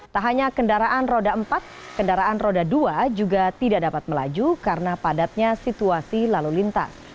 tak hanya kendaraan roda empat kendaraan roda dua juga tidak dapat melaju karena padatnya situasi lalu lintas